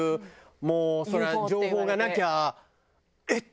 もうそりゃ情報がなきゃえっ！